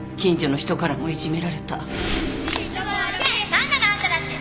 ・何なのあんたたち！